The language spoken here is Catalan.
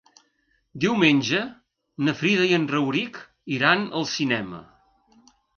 Diumenge na Frida i en Rauric iran al cinema.